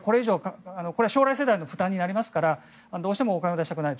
これは将来世代の負担になりますからどうしてもお金を出したくないと。